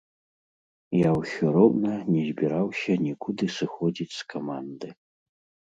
Я ўсё роўна не збіраўся нікуды сыходзіць з каманды.